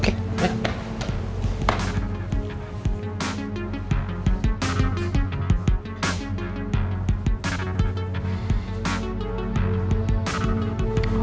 terima kasih om